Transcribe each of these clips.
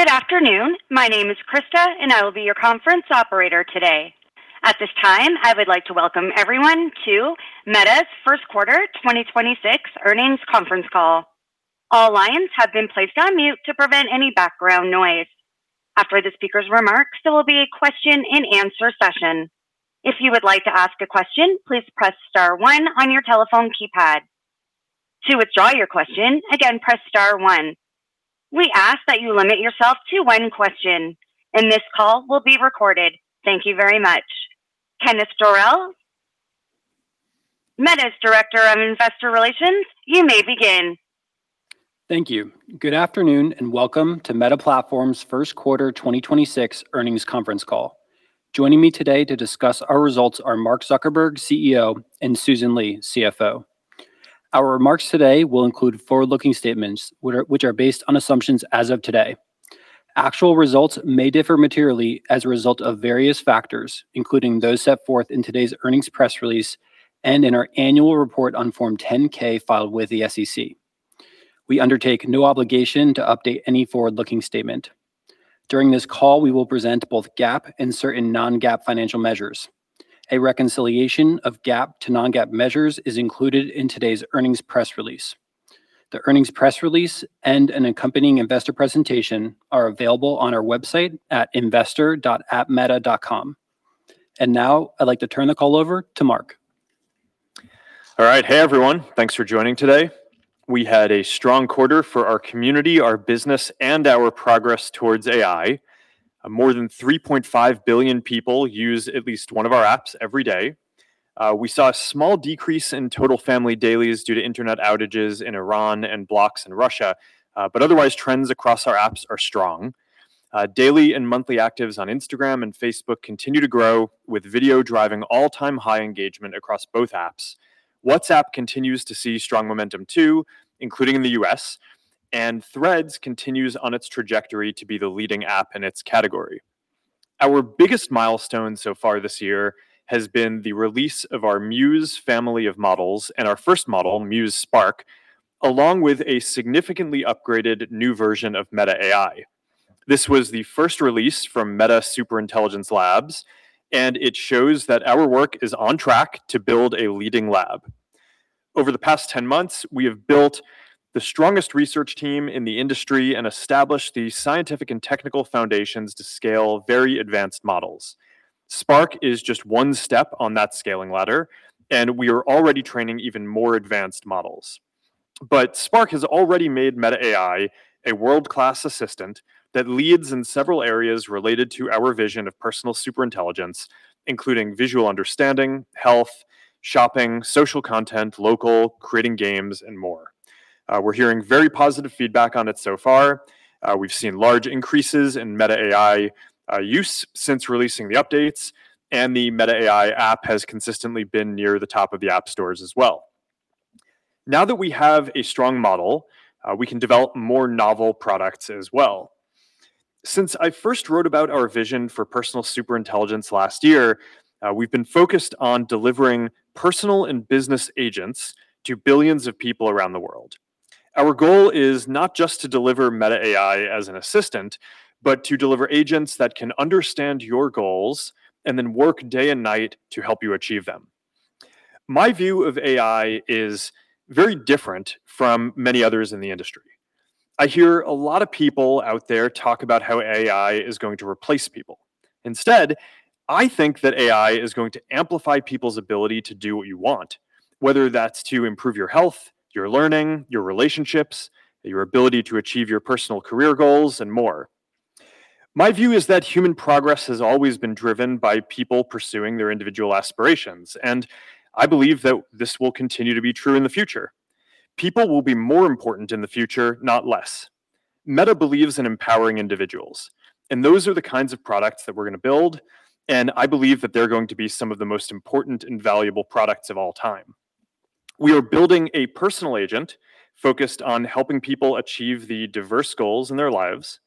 Good afternoon. My name is Krista, and I will be your conference operator today. At this time, I would like to welcome everyone to Meta's first quarter 2026 earnings conference call. All lines have been placed on mute to prevent any background noise. After the speaker's remarks, there will be a question-and-answer session. If you would like to ask a question, please press star one on your telephone keypad. To withdraw your question, again, press star one. We ask that you limit yourself to one question, and this call will be recorded. Thank you very much. Kenneth Dorell, Meta's Director of Investor Relations, you may begin. Thank you. Good afternoon, and welcome to Meta Platforms' first quarter 2026 earnings conference call. Joining me today to discuss our results are Mark Zuckerberg, CEO, and Susan Li, CFO. Our remarks today will include forward-looking statements, which are based on assumptions as of today. Actual results may differ materially as a result of various factors, including those set forth in today's earnings press release and in our annual report on Form 10-K filed with the SEC. We undertake no obligation to update any forward-looking statement. During this call, we will present both GAAP and certain non-GAAP financial measures. A reconciliation of GAAP to non-GAAP measures is included in today's earnings press release. The earnings press release and an accompanying investor presentation are available on our website at investor.atmeta.com. Now, I'd like to turn the call over to Mark. All right. Hey, everyone. Thanks for joining today. We had a strong quarter for our community, our business, and our progress towards AI. More than 3.5 billion people use at least one of our apps every day. We saw a small decrease in total family dailies due to internet outages in Iran and blocks in Russia. Otherwise, trends across our apps are strong. Daily and monthly actives on Instagram and Facebook continue to grow, with video driving all-time high engagement across both apps. WhatsApp continues to see strong momentum too, including in the U.S., and Threads continues on its trajectory to be the leading app in its category. Our biggest milestone so far this year has been the release of our Muse family of models and our first model, Muse Spark, along with a significantly upgraded new version of Meta AI. This was the first release from Meta Superintelligence Labs. It shows that our work is on track to build a leading lab. Over the past 10 months, we have built the strongest research team in the industry and established the scientific and technical foundations to scale very advanced models. Spark is just one step on that scaling ladder. We are already training even more advanced models. Spark has already made Meta AI a world-class assistant that leads in several areas related to our vision of personal superintelligence, including visual understanding, health, shopping, social content, local, creating games, and more. We're hearing very positive feedback on it so far. We've seen large increases in Meta AI use since releasing the updates. The Meta AI app has consistently been near the top of the app stores as well. Now that we have a strong model, we can develop more novel products as well. Since I first wrote about our vision for personal superintelligence last year, we've been focused on delivering personal and business agents to billions of people around the world. Our goal is not just to deliver Meta AI as an assistant, but to deliver agents that can understand your goals and then work day and night to help you achieve them. My view of AI is very different from many others in the industry. I hear a lot of people out there talk about how AI is going to replace people. Instead, I think that AI is going to amplify people's ability to do what you want, whether that's to improve your health, your learning, your relationships, your ability to achieve your personal career goals, and more. My view is that human progress has always been driven by people pursuing their individual aspirations, and I believe that this will continue to be true in the future. People will be more important in the future, not less. Meta believes in empowering individuals, and those are the kinds of products that we're gonna build, and I believe that they're going to be some of the most important and valuable products of all time. We are building a personal agent focused on helping people achieve the diverse goals in their lives.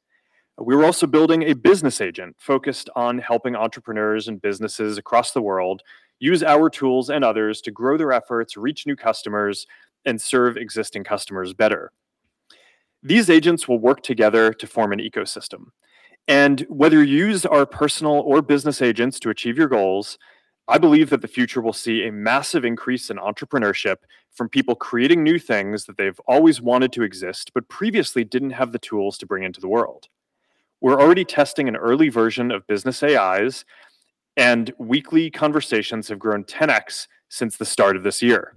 We're also building a business agent focused on helping entrepreneurs and businesses across the world use our tools and others to grow their efforts, reach new customers, and serve existing customers better. These agents will work together to form an ecosystem. Whether you use our personal or business agents to achieve your goals, I believe that the future will see a massive increase in entrepreneurship from people creating new things that they've always wanted to exist but previously didn't have the tools to bring into the world. We're already testing an early version of business AIs. Weekly conversations have grown 10x since the start of this year.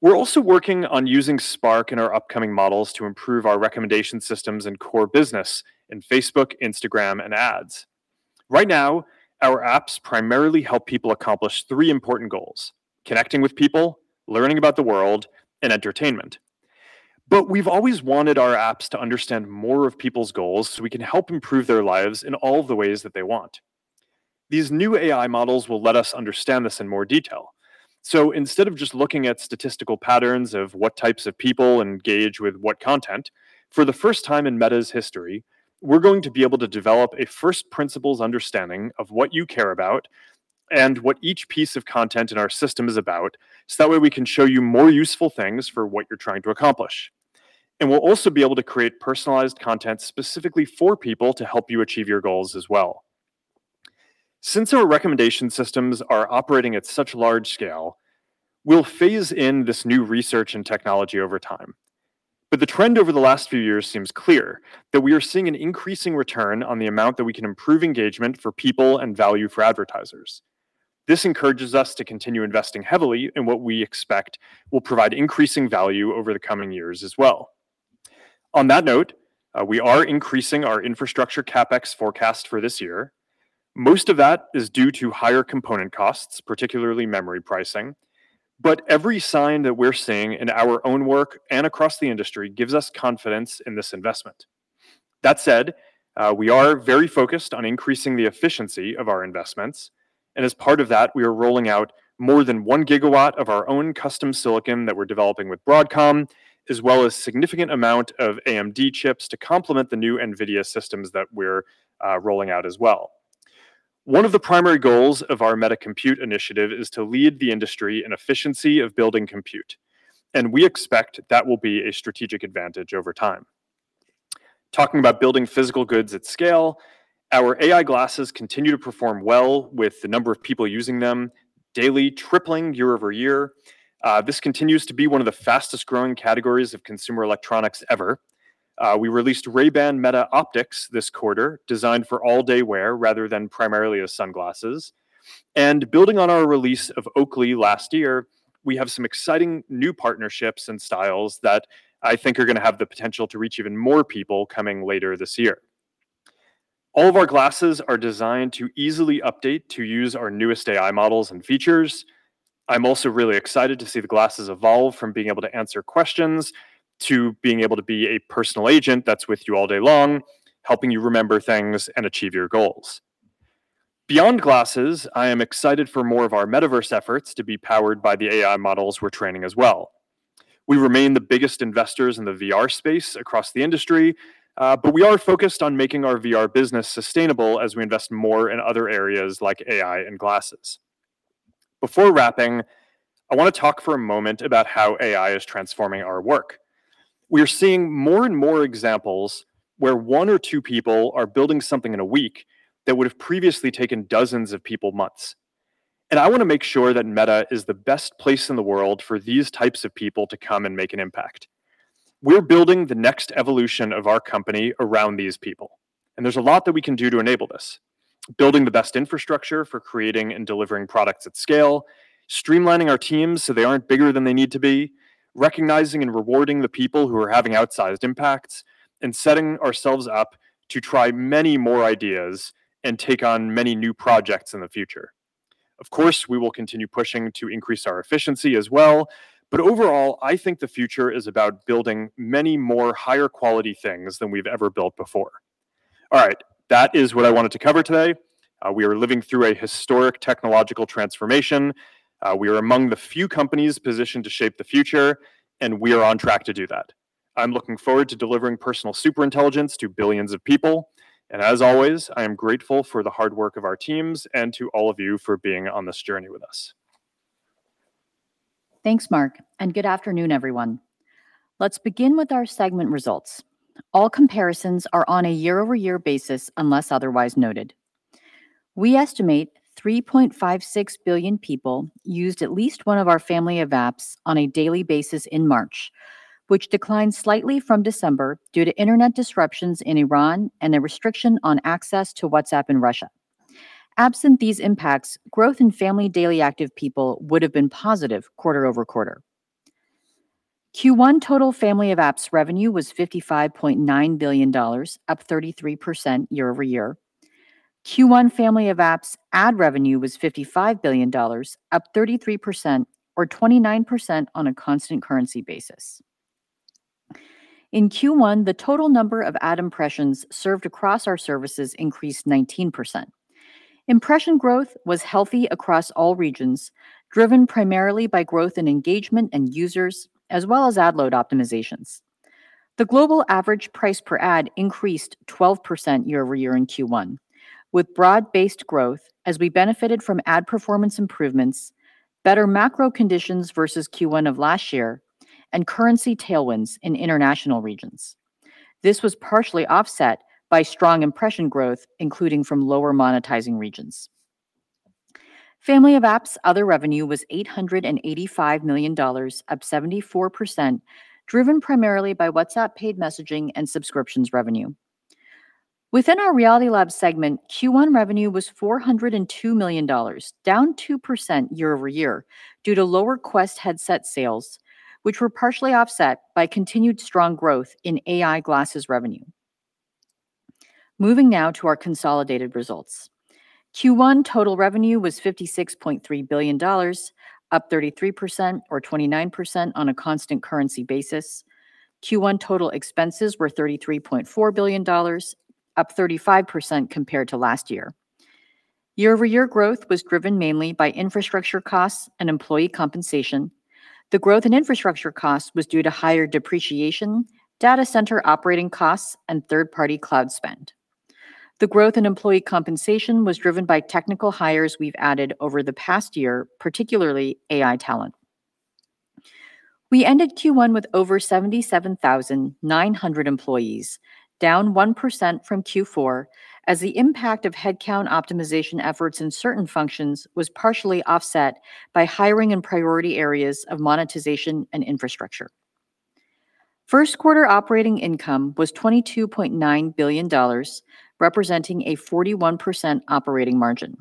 We're also working on using Spark in our upcoming models to improve our recommendation systems and core business in Facebook, Instagram, and Ads. Right now, our apps primarily help people accomplish three important goals: connecting with people, learning about the world, and entertainment. We've always wanted our apps to understand more of people's goals so we can help improve their lives in all the ways that they want. These new AI models will let us understand this in more detail. Instead of just looking at statistical patterns of what types of people engage with what content, for the first time in Meta's history, we're going to be able to develop a first principles understanding of what you care about. What each piece of content in our system is about, so that way we can show you more useful things for what you're trying to accomplish. We'll also be able to create personalized content specifically for people to help you achieve your goals as well. Since our recommendation systems are operating at such large scale, we'll phase in this new research and technology over time. The trend over the last few years seems clear that we are seeing an increasing return on the amount that we can improve engagement for people and value for advertisers. This encourages us to continue investing heavily in what we expect will provide increasing value over the coming years as well. On that note, we are increasing our infrastructure CapEx forecast for this year. Most of that is due to higher component costs, particularly memory pricing. Every sign that we're seeing in our own work and across the industry gives us confidence in this investment. That said, we are very focused on increasing the efficiency of our investments. As part of that, we are rolling out more than 1 GW of our own custom silicon that we're developing with Broadcom, as well as significant amount of AMD chips to complement the new NVIDIA systems that we're rolling out as well. One of the primary goals of our Meta Compute initiative is to lead the industry in efficiency of building Compute, and we expect that will be a strategic advantage over time. Talking about building physical goods at scale, our AI glasses continue to perform well with the number of people using them daily tripling year-over-year. This continues to be one of the fastest-growing categories of consumer electronics ever. We released Ray-Ban Meta Optics this quarter, designed for all-day wear rather than primarily as sunglasses. Building on our release of Oakley last year, we have some exciting new partnerships and styles that I think are gonna have the potential to reach even more people coming later this year. All of our glasses are designed to easily update to use our newest AI models and features. I'm also really excited to see the glasses evolve from being able to answer questions to being able to be a personal agent that's with you all day long, helping you remember things and achieve your goals. Beyond glasses, I am excited for more of our metaverse efforts to be powered by the AI models we're training as well. We remain the biggest investors in the VR space across the industry, but we are focused on making our VR business sustainable as we invest more in other areas like AI and glasses. Before wrapping, I wanna talk for a moment about how AI is transforming our work. We are seeing more and more examples where one or two people are building something in a week that would have previously taken dozens of people months. I wanna make sure that Meta is the best place in the world for these types of people to come and make an impact. We're building the next evolution of our company around these people, and there's a lot that we can do to enable this: building the best infrastructure for creating and delivering products at scale, streamlining our teams so they aren't bigger than they need to be, recognizing and rewarding the people who are having outsized impacts, and setting ourselves up to try many more ideas and take on many new projects in the future. Of course, we will continue pushing to increase our efficiency as well, but overall, I think the future is about building many more higher quality things than we've ever built before. All right. That is what I wanted to cover today. We are living through a historic technological transformation. We are among the few companies positioned to shape the future, and we are on track to do that. I'm looking forward to delivering personal super intelligence to billions of people. As always, I am grateful for the hard work of our teams and to all of you for being on this journey with us. Thanks, Mark. Good afternoon, everyone. Let's begin with our segment results. All comparisons are on a year-over-year basis unless otherwise noted. We estimate 3.56 billion people used at least one of our family of apps on a daily basis in March, which declined slightly from December due to internet disruptions in Iran and a restriction on access to WhatsApp in Russia. Absent these impacts, growth in family daily active people would have been positive quarter-over-quarter. Q1 total family of apps revenue was $55.9 billion, up 33% year-over-year. Q1 family of apps ad revenue was $55 billion, up 33%, or 29% on a constant currency basis. In Q1, the total number of ad impressions served across our services increased 19%. Impression growth was healthy across all regions, driven primarily by growth in engagement and users, as well as ad load optimizations. The global average price per ad increased 12% year-over-year in Q1, with broad-based growth as we benefited from ad performance improvements, better macro conditions versus Q1 of last year, and currency tailwinds in international regions. This was partially offset by strong impression growth, including from lower monetizing regions. Family of apps other revenue was $885 million, up 74%, driven primarily by WhatsApp paid messaging and subscriptions revenue. Within our Reality Labs segment, Q1 revenue was $402 million, down 2% year-over-year due to lower Quest headset sales, which were partially offset by continued strong growth in AI glasses revenue. Moving now to our consolidated results. Q1 total revenue was $56.3 billion, up 33%, or 29% on a constant currency basis. Q1 total expenses were $33.4 billion, up 35% compared to last year. Year-over-year growth was driven mainly by infrastructure costs and employee compensation. The growth in infrastructure costs was due to higher depreciation, data center operating costs, and third-party cloud spend. The growth in employee compensation was driven by technical hires we've added over the past year, particularly AI talent. We ended Q1 with over 77,900 employees, down 1% from Q4 as the impact of headcount optimization efforts in certain functions was partially offset by hiring in priority areas of monetization and infrastructure. First quarter operating income was $22.9 billion, representing a 41% operating margin.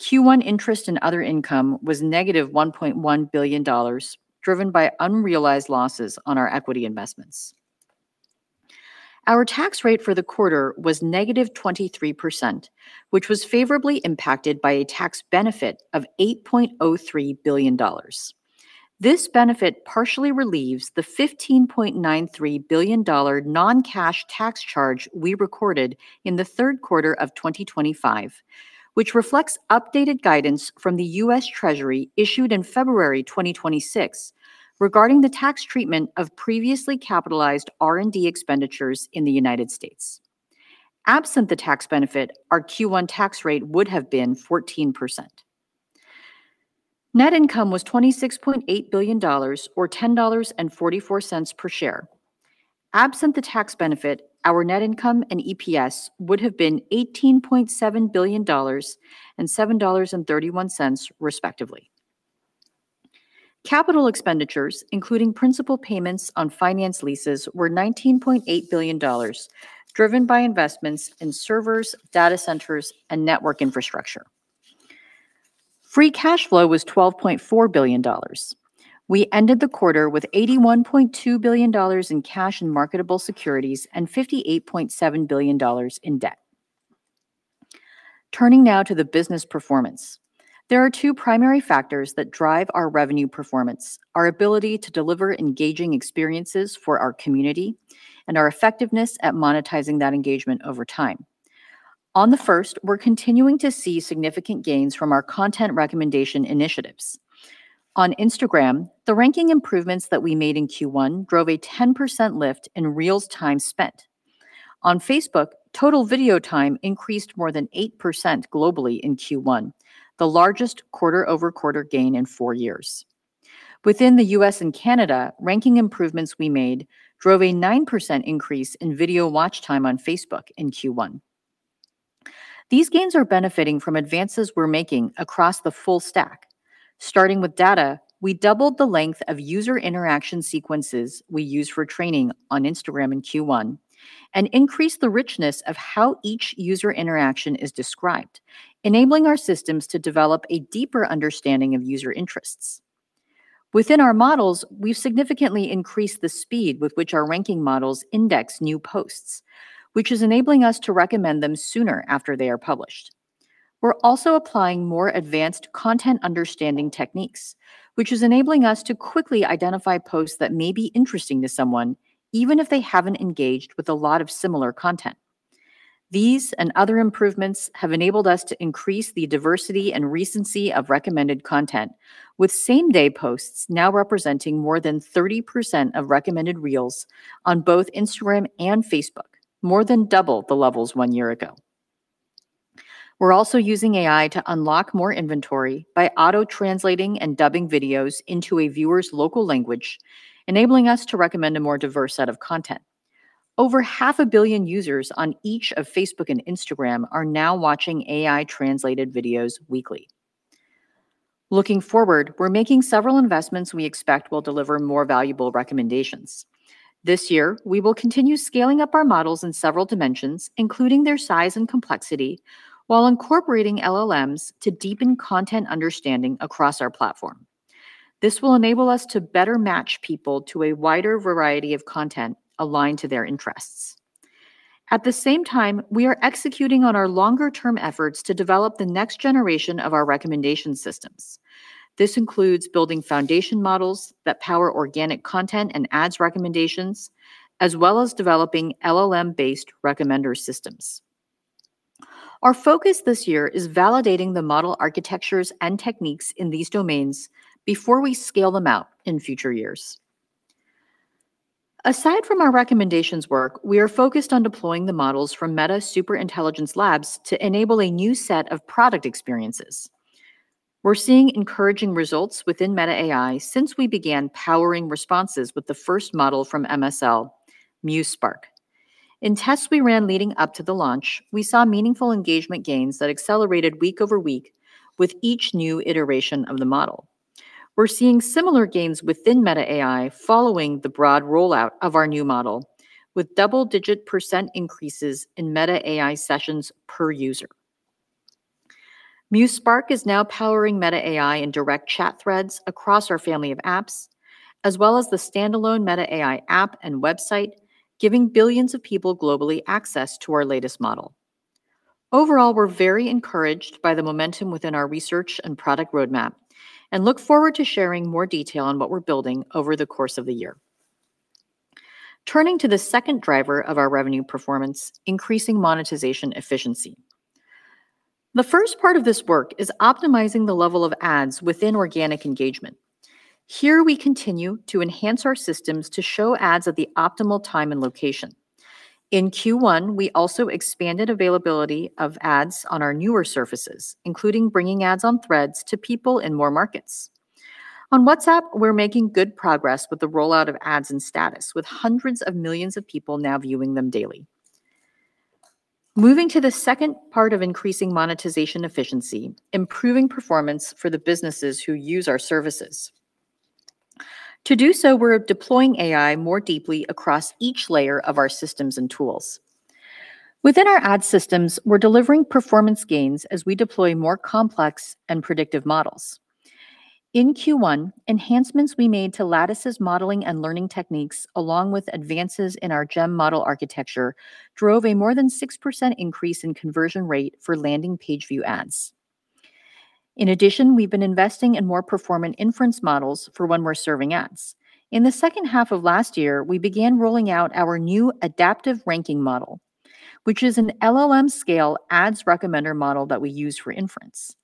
Q1 interest and other income was -$1.1 billion, driven by unrealized losses on our equity investments. Our tax rate for the quarter was -23%, which was favorably impacted by a tax benefit of $8.03 billion. This benefit partially relieves the $15.93 billion non-cash tax charge we recorded in the third quarter of 2025, which reflects updated guidance from the U.S. Treasury issued in February 2026 regarding the tax treatment of previously capitalized R&D expenditures in the United States. Absent the tax benefit, our Q1 tax rate would have been 14%. Net income was $26.8 billion or $10.44 per share. Absent the tax benefit, our net income and EPS would have been $18.7 billion and $7.31, respectively. Capital expenditures, including principal payments on finance leases, were $19.8 billion, driven by investments in servers, data centers, and network infrastructure. Free cash flow was $12.4 billion. We ended the quarter with $81.2 billion in cash and marketable securities and $58.7 billion in debt. Turning now to the business performance. There are two primary factors that drive our revenue performance: our ability to deliver engaging experiences for our community and our effectiveness at monetizing that engagement over time. On the first, we're continuing to see significant gains from our content recommendation initiatives. On Instagram, the ranking improvements that we made in Q1 drove a 10% lift in Reels time spent. On Facebook, total video time increased more than 8% globally in Q1, the largest quarter-over-quarter gain in four years. Within the U.S. and Canada, ranking improvements we made drove a 9% increase in video watch time on Facebook in Q1. These gains are benefiting from advances we're making across the full stack. Starting with data, we doubled the length of user interaction sequences we use for training on Instagram in Q1 and increased the richness of how each user interaction is described, enabling our systems to develop a deeper understanding of user interests. Within our models, we've significantly increased the speed with which our ranking models index new posts, which is enabling us to recommend them sooner after they are published. We're also applying more advanced content understanding techniques, which is enabling us to quickly identify posts that may be interesting to someone, even if they haven't engaged with a lot of similar content. These and other improvements have enabled us to increase the diversity and recency of recommended content, with same-day posts now representing more than 30% of recommended Reels on both Instagram and Facebook, more than double the levels one year ago. We're also using AI to unlock more inventory by auto-translating and dubbing videos into a viewer's local language, enabling us to recommend a more diverse set of content. Over half a billion users on each of Facebook and Instagram are now watching AI-translated videos weekly. Looking forward, we're making several investments we expect will deliver more valuable recommendations. This year, we will continue scaling up our models in several dimensions, including their size and complexity, while incorporating LLMs to deepen content understanding across our platform. This will enable us to better match people to a wider variety of content aligned to their interests. At the same time, we are executing on our longer-term efforts to develop the next generation of our recommendation systems. This includes building foundation models that power organic content and ads recommendations, as well as developing LLM-based recommender systems. Our focus this year is validating the model architectures and techniques in these domains before we scale them out in future years. Aside from our recommendations work, we are focused on deploying the models from Meta Superintelligence Labs to enable a new set of product experiences. We're seeing encouraging results within Meta AI since we began powering responses with the first model from MSL, Muse Spark. In tests we ran leading up to the launch, we saw meaningful engagement gains that accelerated week over week with each new iteration of the model. We're seeing similar gains within Meta AI following the broad rollout of our new model with double-digit percent increases in Meta AI sessions per user. Muse Spark is now powering Meta AI in direct chat threads across our family of apps, as well as the standalone Meta AI app and website, giving billions of people globally access to our latest model. Overall, we're very encouraged by the momentum within our research and product roadmap and look forward to sharing more detail on what we're building over the course of the year. Turning to the second driver of our revenue performance, increasing monetization efficiency. The first part of this work is optimizing the level of ads within organic engagement. Here, we continue to enhance our systems to show ads at the optimal time and location. In Q1, we also expanded availability of ads on our newer surfaces, including bringing ads on Threads to people in more markets. On WhatsApp, we're making good progress with the rollout of ads and status, with hundreds of millions of people now viewing them daily. Moving to the second part of increasing monetization efficiency, improving performance for the businesses who use our services. To do so, we're deploying AI more deeply across each layer of our systems and tools. Within our ad systems, we're delivering performance gains as we deploy more complex and predictive models. In Q1, enhancements we made to Lattice's modeling and learning techniques, along with advances in our GEM model architecture, drove a more than 6% increase in conversion rate for landing page view ads. In addition, we've been investing in more performant inference models for when we're serving ads. In the second half of last year, we began rolling out our new adaptive ranking model, which is an LLM-scale ads recommender model that we use for inference.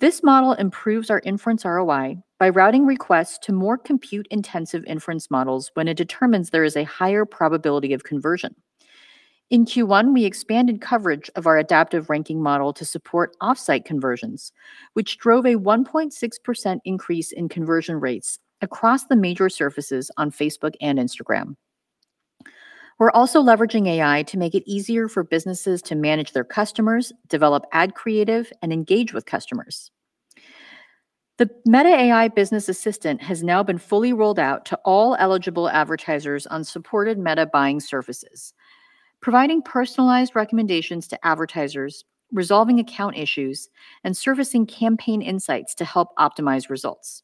This model improves our inference ROI by routing requests to more Compute-intensive inference models when it determines there is a higher probability of conversion. In Q1, we expanded coverage of our adaptive ranking model to support offsite conversions, which drove a 1.6% increase in conversion rates across the major surfaces on Facebook and Instagram. We're also leveraging AI to make it easier for businesses to manage their customers, develop ad creative, and engage with customers. The Meta AI business assistant has now been fully rolled out to all eligible advertisers on supported Meta buying surfaces, providing personalized recommendations to advertisers, resolving account issues, and servicing campaign insights to help optimize results.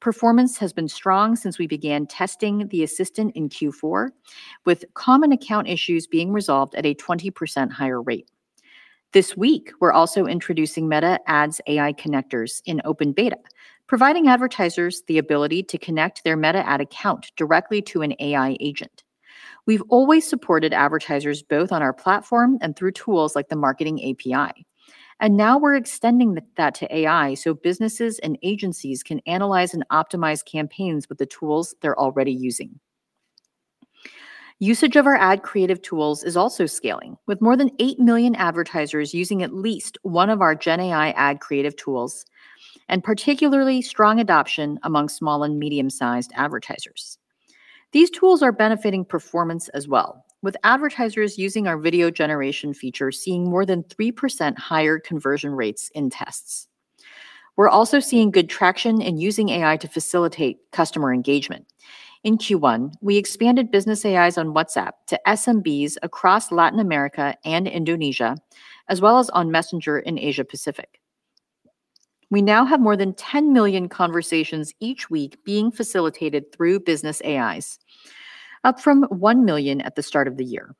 Performance has been strong since we began testing the assistant in Q4, with common account issues being resolved at a 20% higher rate. This week, we're also introducing Meta Ads AI connectors in open beta, providing advertisers the ability to connect their Meta Ad account directly to an AI agent. We've always supported advertisers, both on our platform and thru tools like the Marketing API. Now we're extending that to AI so businesses and agencies can analyze and optimize campaigns with the tools they're already using. Usage of our ad creative tools is also scaling, with more than 8 million advertisers using at least one of our gen AI ad creative tools, and particularly strong adoption among small and medium-sized advertisers. These tools are benefiting performance as well, with advertisers using our video generation feature seeing more than 3% higher conversion rates in tests. We're also seeing good traction in using AI to facilitate customer engagement. In Q1, we expanded business AIs on WhatsApp to SMBs across Latin America and Indonesia, as well as on Messenger in Asia Pacific. We now have more than 10 million conversations each week being facilitated through business AIs, up from 1 million at the start of the year.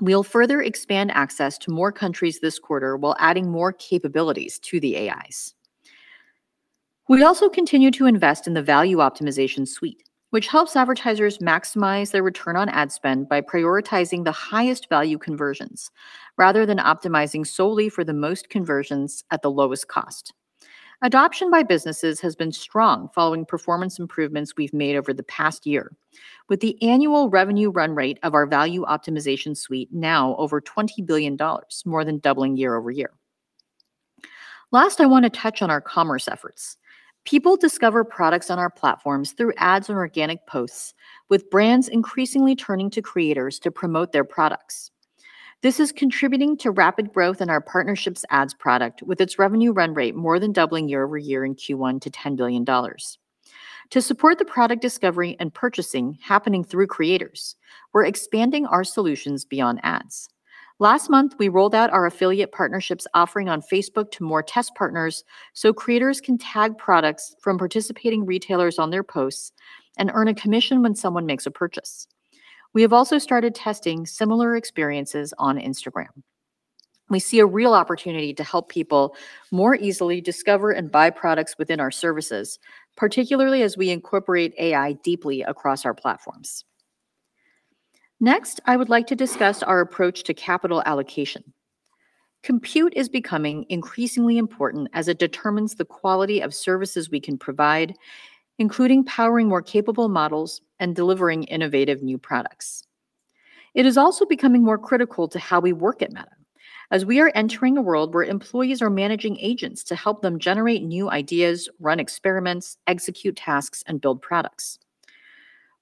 We'll further expand access to more countries this quarter while adding more capabilities to the AIs. We also continue to invest in the value optimization suite, which helps advertisers maximize their return on ad spend by prioritizing the highest value conversions rather than optimizing solely for the most conversions at the lowest cost. Adoption by businesses has been strong following performance improvements we've made over the past year, with the annual revenue run rate of our value optimization suite now over $20 billion, more than doubling year-over-year. Last, I wanna touch on our commerce efforts. People discover products on our platforms through ads and organic posts, with brands increasingly turning to creators to promote their products. This is contributing to rapid growth in our partnerships ads product, with its revenue run rate more than doubling year-over-year in Q1 to $10 billion. To support the product discovery and purchasing happening through creators, we're expanding our solutions beyond ads. Last month, we rolled out our affiliate partnerships offering on Facebook to more test partners, so creators can tag products from participating retailers on their posts and earn a commission when someone makes a purchase. We have also started testing similar experiences on Instagram. We see a real opportunity to help people more easily discover and buy products within our services, particularly as we incorporate AI deeply across our platforms. Next, I would like to discuss our approach to capital allocation. Compute is becoming increasingly important as it determines the quality of services we can provide, including powering more capable models and delivering innovative new products. It is also becoming more critical to how we work at Meta, as we are entering a world where employees are managing agents to help them generate new ideas, run experiments, execute tasks, and build products.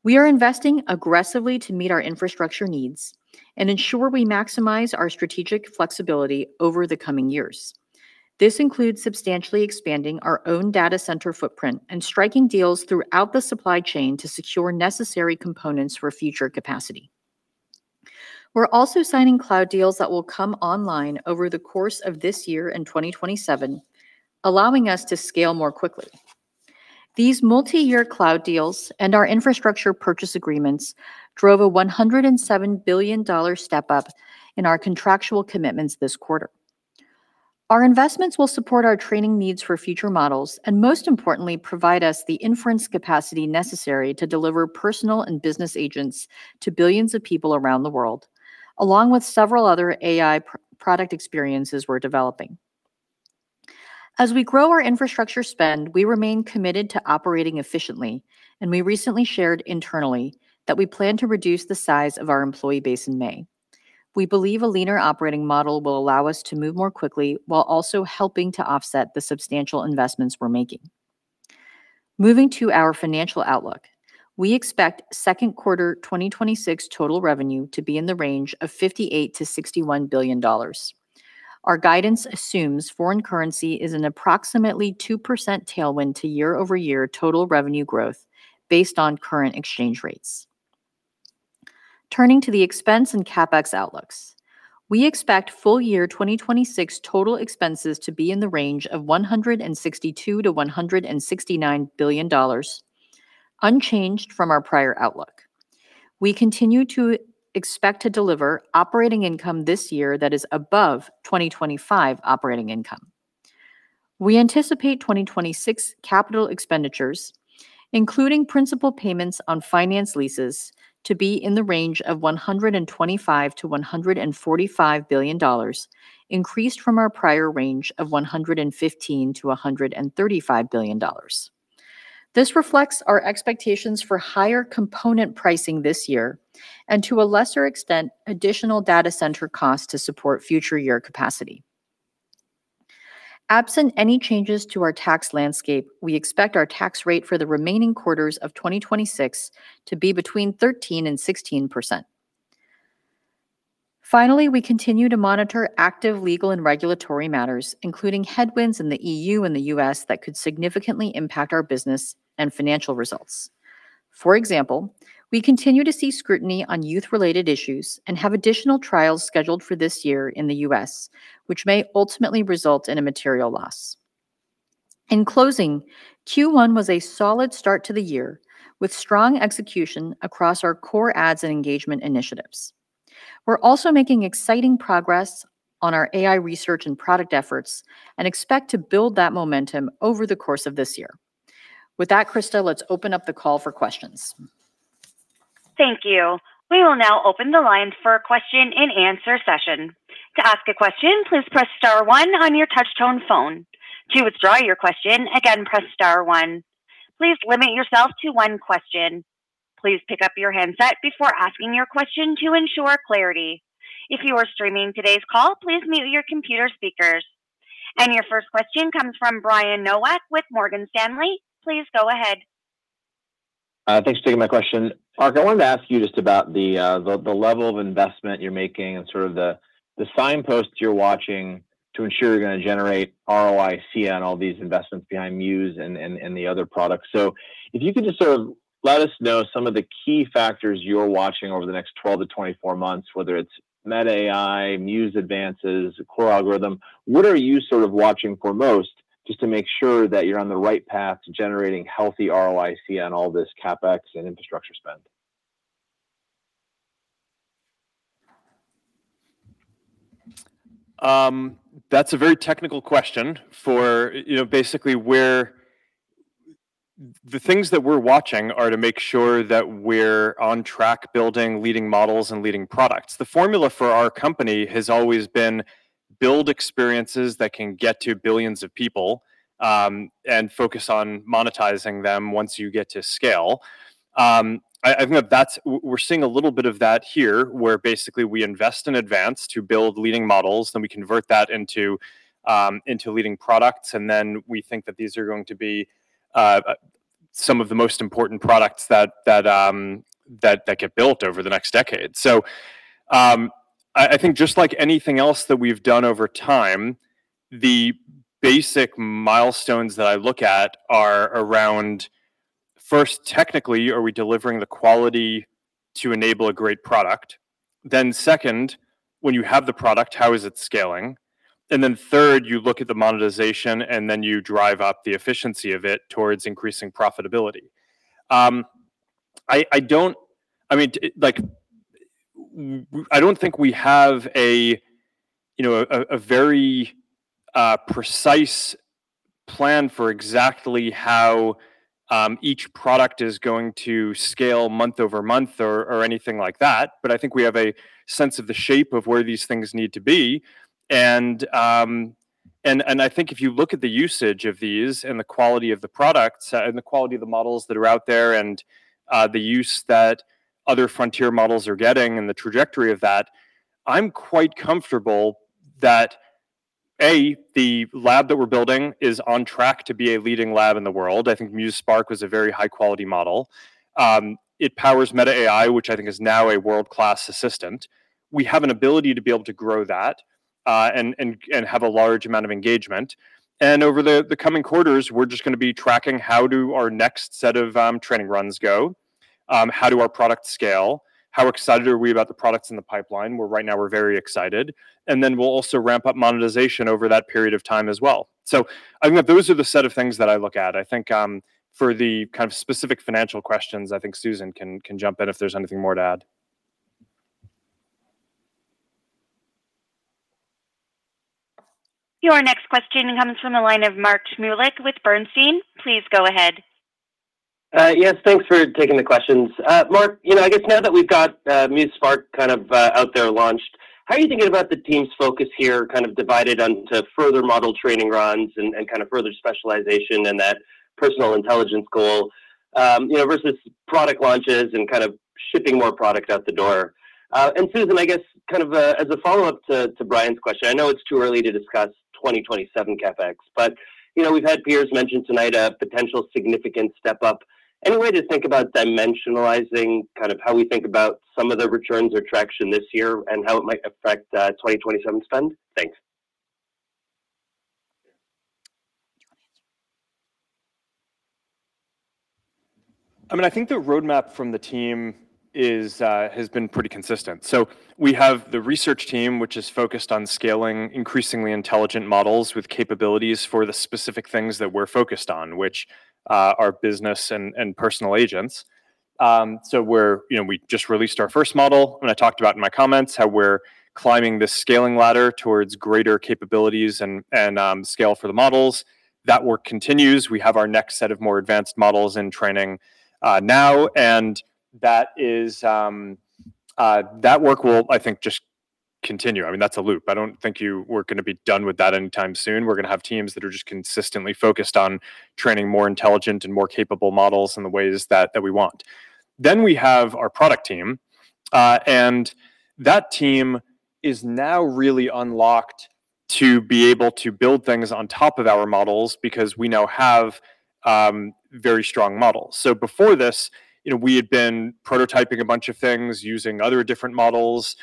We are investing aggressively to meet our infrastructure needs and ensure we maximize our strategic flexibility over the coming years. This includes substantially expanding our own data center footprint and striking deals throughout the supply chain to secure necessary components for future capacity. We're also signing cloud deals that will come online over the course of this year and 2027, allowing us to scale more quickly. These multi-year cloud deals and our infrastructure purchase agreements drove a $107 billion step-up in our contractual commitments this quarter. Our investments will support our training needs for future models, and most importantly, provide us the inference capacity necessary to deliver personal and business agents to billions of people around the world, along with several other AI product experiences we're developing. As we grow our infrastructure spend, we remain committed to operating efficiently. We recently shared internally that we plan to reduce the size of our employee base in May. We believe a leaner operating model will allow us to move more quickly while also helping to offset the substantial investments we're making. Moving to our financial outlook. We expect second quarter 2026 total revenue to be in the range of $58 billion-$61 billion. Our guidance assumes foreign currency is an approximately 2% tailwind to year-over-year total revenue growth based on current exchange rates. Turning to the expense and CapEx outlooks. We expect full year 2026 total expenses to be in the range of $162 billion-$169 billion, unchanged from our prior outlook. We continue to expect to deliver operating income this year that is above 2025 operating income. We anticipate 2026 capital expenditures, including principal payments on finance leases, to be in the range of $125 billion-$145 billion, increased from our prior range of $115 billion-$135 billion. This reflects our expectations for higher component pricing this year and, to a lesser extent, additional data center costs to support future year capacity. Absent any changes to our tax landscape, we expect our tax rate for the remaining quarters of 2026 to be between 13% and 16%. We continue to monitor active legal and regulatory matters, including headwinds in the E.U. and the U.S. that could significantly impact our business and financial results. For example, we continue to see scrutiny on youth-related issues and have additional trials scheduled for this year in the U.S., which may ultimately result in a material loss. In closing, Q1 was a solid start to the year, with strong execution across our core ads and engagement initiatives. We're also making exciting progress on our AI research and product efforts and expect to build that momentum over the course of this year. With that, Krista, let's open up the call for questions. Thank you. We will now open the lines for a question-and-answer session. Please limit yourself to one question. Your first question comes from Brian Nowak with Morgan Stanley. Please go ahead. Thanks for taking my question. Mark, I wanted to ask you just about the level of investment you're making and sort of the signposts you're watching to ensure you're gonna generate ROIC on all these investments behind Muse and the other products. If you could just sort of let us know some of the key factors you're watching over the next 12 to 24 months, whether it's Meta AI, Muse advances, the core algorithm. What are you sort of watching for most just to make sure that you're on the right path to generating healthy ROIC on all this CapEx and infrastructure spend? That's a very technical question for, you know, basically—The things that we're watching are to make sure that we're on track building leading models and leading products. The formula for our company has always been build experiences that can get to billions of people, and focus on monetizing them once you get to scale. I think that that's—We're seeing a little bit of that here, where basically we invest in advance to build leading models, then we convert that into leading products, and then we think that these are going to be some of the most important products that get built over the next decade. I think just like anything else that we've done over time, the basic milestones that I look at are around, first, technically, are we delivering the quality to enable a great product? Second, when you have the product, how is it scaling? Third, you look at the monetization, and then you drive up the efficiency of it towards increasing profitability. I don't—I mean, like, I don't think we have a, you know, a very precise plan for exactly how each product is going to scale month-over-month or anything like that. I think we have a sense of the shape of where these things need to be. I think if you look at the usage of these and the quality of the products, and the quality of the models that are out there and the use that other frontier models are getting and the trajectory of that, I'm quite comfortable that, A, the lab that we're building is on track to be a leading lab in the world. I think Muse Spark was a very high-quality model. It powers Meta AI, which I think is now a world-class assistant. We have an ability to be able to grow that and have a large amount of engagement. Over the coming quarters, we're just gonna be tracking how do our next set of training runs go. How do our products scale? How excited are we about the products in the pipeline? Well, right now we're very excited. We'll also ramp up monetization over that period of time as well. I think that those are the set of things that I look at. I think, for the kind of specific financial questions, I think Susan can jump in if there's anything more to add. Your next question comes from the line of Mark Shmulik with Bernstein. Please go ahead. Yes, thanks for taking the questions. Mark, you know, I guess now that we've got, Muse Spark kind of, out there launched. How are you thinking about the team's focus here, kind of divided onto further model training runs and kind of further specialization and that personal intelligence goal, you know, versus product launches and kind of shipping more products out the door? Susan, I guess kind of, as a follow-up to Brian's question, I know it's too early to discuss 2027 CapEx, but, you know, we've had peers mention tonight a potential significant step up. Any way to think about dimensionalizing kind of how we think about some of the returns or traction this year and how it might affect 2027 spend? Thanks. Do you wanna answer? I mean, I think the roadmap from the team has been pretty consistent. We have the research team, which is focused on scaling increasingly intelligent models with capabilities for the specific things that we're focused on, which are business and personal agents. You know, we just released our first model, and I talked about in my comments how we're climbing this scaling ladder towards greater capabilities and scale for the models. That work continues. We have our next set of more advanced models in training now, and that is that work will, I think, just continue. I mean, that's a loop. I don't think we're gonna be done with that anytime soon. We're gonna have teams that are just consistently focused on training more intelligent and more capable models in the ways that we want. We have our product team, that team is now really unlocked to be able to build things on top of our models because we now have very strong models. Before this, you know, we had been prototyping a bunch of things using other different models,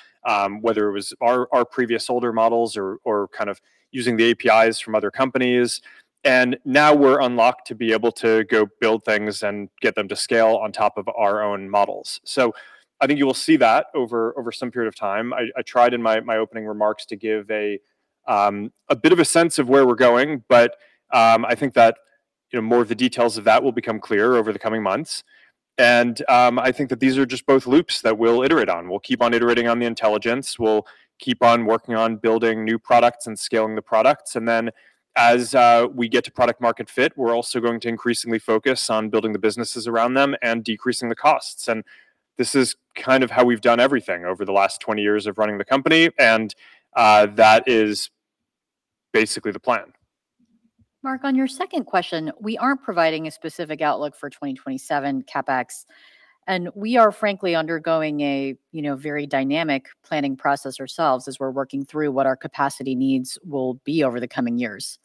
whether it was our previous older models or kind of using the APIs from other companies. Now we're unlocked to be able to go build things and get them to scale on top of our own models. I think you will see that over some period of time. I tried in my opening remarks to give a bit of a sense of where we're going, I think that, you know, more of the details of that will become clear over the coming months. I think that these are just both loops that we'll iterate on. We'll keep on iterating on the intelligence. We'll keep on working on building new products and scaling the products. As we get to product market fit, we're also going to increasingly focus on building the businesses around them and decreasing the costs. This is kind of how we've done everything over the last 20 years of running the company, and that is basically the plan. Mark, on your second question, we aren't providing a specific outlook for 2027 CapEx, and we are frankly undergoing a, you know, very dynamic planning process ourselves as we're working through what our capacity needs will be over the coming years.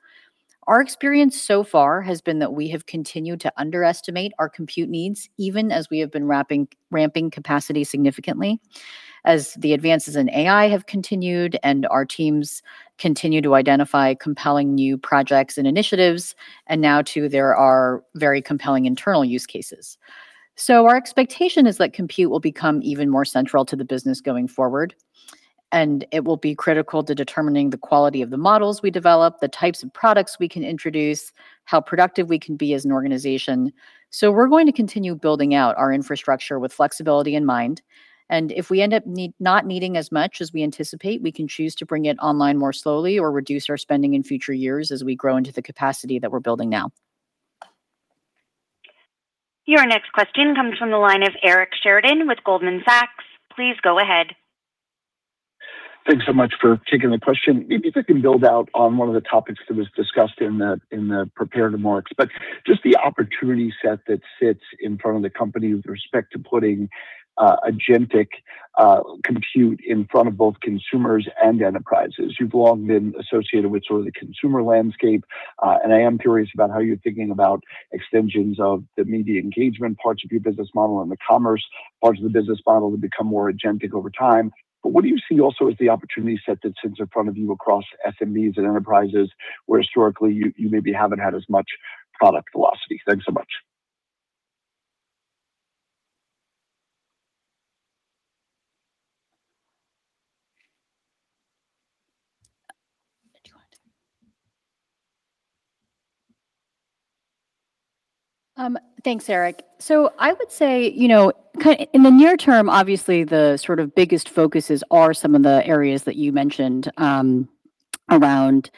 Our experience so far has been that we have continued to underestimate our Compute needs, even as we have been ramping capacity significantly as the advances in AI have continued and our teams continue to identify compelling new projects and initiatives, and now too there are very compelling internal use cases. Our expectation is that Compute will become even more central to the business going forward, and it will be critical to determining the quality of the models we develop, the types of products we can introduce, how productive we can be as an organization. We're going to continue building out our infrastructure with flexibility in mind, and if we end up not needing as much as we anticipate, we can choose to bring it online more slowly or reduce our spending in future years as we grow into the capacity that we're building now. Your next question comes from the line of Eric Sheridan with Goldman Sachs. Please go ahead. Thanks so much for taking the question. Maybe if I can build out on one of the topics that was discussed in the, in the prepared remarks, but just the opportunity set that sits in front of the company with respect to putting agentic Compute in front of both consumers and enterprises. You've long been associated with sort of the consumer landscape, and I am curious about how you're thinking about extensions of the media engagement parts of your business model and the commerce parts of the business model to become more agentic over time. What do you see also as the opportunity set that sits in front of you across SMBs and enterprises where historically you maybe haven't had as much product velocity? Thanks so much. Do you want to? Thanks, Eric. I would say, you know, in the near term, obviously, the biggest focuses are some of the areas that you mentioned, around